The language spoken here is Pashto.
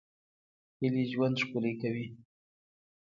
هیلې ژوند ښکلی کوي